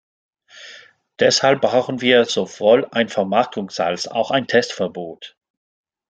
Deshalb brauchen wir sowohl ein Vermarktungsals auch ein Testverbot.